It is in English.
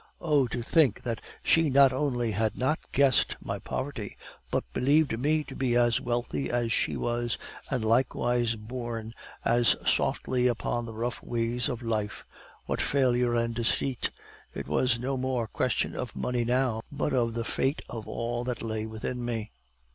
Oh, to think that she not only had not guessed my poverty, but believed me to be as wealthy as she was, and likewise borne as softly over the rough ways of life! What failure and deceit! It was no mere question of money now, but of the fate of all that lay within me.